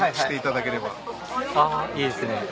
ああいいっすね。